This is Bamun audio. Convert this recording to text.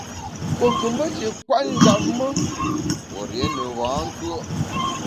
Pue nkù mbe shi nkwet njap me, pue rié ne bankùe’.